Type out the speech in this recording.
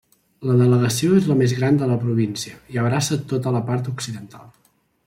La delegació és la més gran de la província i abraça tota la part occidental.